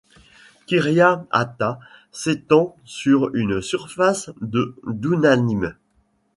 Kiryat-Ata s'étend sur une surface de dounamim.